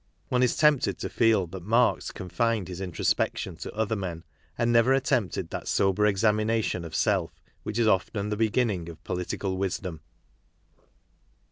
One is tempted to feel that Marx confined his introspection to other men, and never attempted that sober examination of self which is often the beginning of political wisdom.